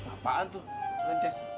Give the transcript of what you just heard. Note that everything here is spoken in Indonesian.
apaan tuh prences